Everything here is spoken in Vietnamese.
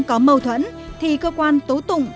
có mâu thuẫn thì cơ quan tố tụng